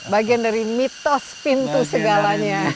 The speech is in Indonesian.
bagian dari mitos pintu segalanya